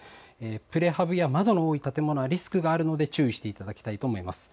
プレハブや窓の多い建物はリスクがあるので注意していただきたいと思います。